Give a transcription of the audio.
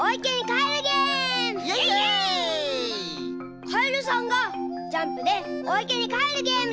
かえるさんがジャンプでおいけにかえるゲームです。